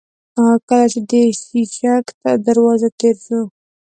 کله چې د شېشک تر دروازه تېر شوو.